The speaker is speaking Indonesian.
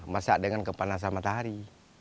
masak dengan kepanasan matahari